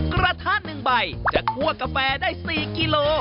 กระทะหนึ่งใบจะคั่วกาแฟได้สี่กิโล